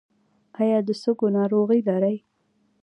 ایا د سږو ناروغي لرئ؟